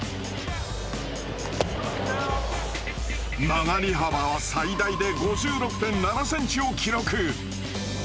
曲がり幅は最大で５６．７ｃｍを記録。